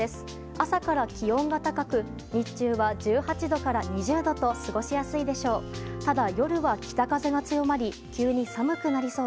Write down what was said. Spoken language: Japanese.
朝から気温が高く日中は１８度から２０度と過ごしやすいでしょう。